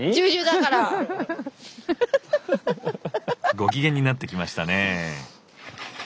ご機嫌になってきましたね。